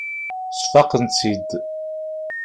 Sfaqen-tt-id.